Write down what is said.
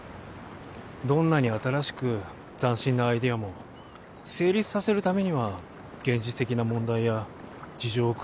どんなに新しく斬新なアイデアも成立させるためには現実的な問題や事情をクリアする必要があるでしょ